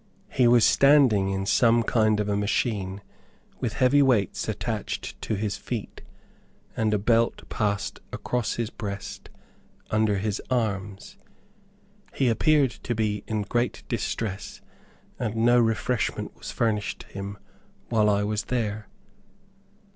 He was standing in some kind of a machine, with heavy weights attached to his feet, and a belt passed across his breast under his arms. He appeared to be in great distress, and no refreshment was furnished him while I was there.